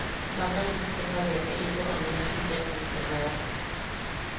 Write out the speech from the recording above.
Baka chukteka bea te ito ania, jipetam te joa.